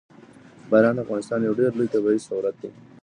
باران د افغانستان یو ډېر لوی طبعي ثروت دی.